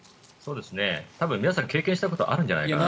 多分皆さん経験したことあるんじゃないかな。